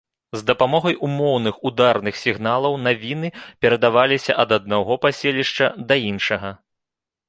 З дапамогай умоўных ударных сігналаў навіны перадаваліся ад аднаго паселішча да іншага.